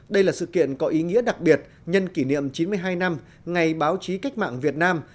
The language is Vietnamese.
đây là sự kiện có ý nghĩa đặc biệt nhân kỷ niệm chín mươi hai năm ngày báo chí cách mạng việt nam